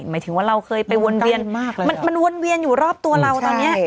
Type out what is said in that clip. หมายถึงว่าเราเคยไปวนเวียนมันวนเวียนอยู่รอบตัวเราตอนนี้